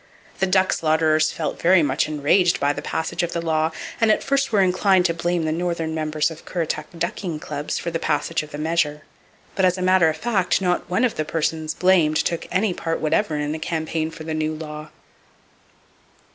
The duck slaughterers felt very much enraged by the passage of the law, and at first were inclined to blame the northern members of Currituck ducking clubs for the passage of the measure; but as a matter of fact, not one of the persons blamed took any part whatever in the campaign for the new law.